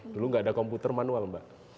dulu nggak ada komputer manual mbak